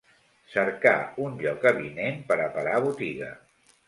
Cercar un lloc avinent per a parar botiga.